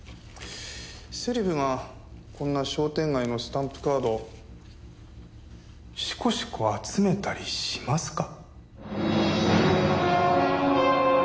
セレブがこんな商店街のスタンプカードしこしこ集めたりしますか？